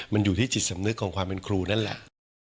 มันอยู่ที่จิตสำนึกของความเป็นครูนั่นแหละ